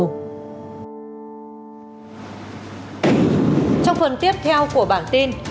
trong phần tiếp theo của bản tin